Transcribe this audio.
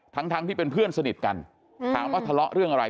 ทั้งทั้งที่เป็นเพื่อนสนิทกันถามว่าทะเลาะเรื่องอะไร